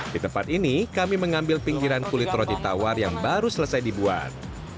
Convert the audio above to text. di tempat ini kami mengambil pinggiran kulit roti tawar yang baru selesai dibuat